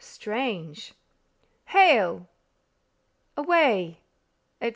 strange! hail! away!_ etc.